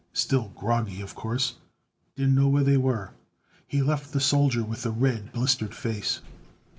Still groggy, of course. Didn't know where they were. He left the soldier with the red, blistered face.